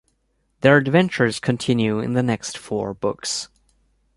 Their adventures continue in the next four books.